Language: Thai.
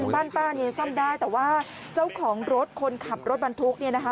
บ้านป้าเนี่ยซ่อมได้แต่ว่าเจ้าของรถคนขับรถบรรทุกเนี่ยนะคะ